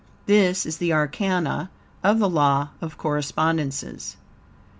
This is the arcana of the Law of Correspondences.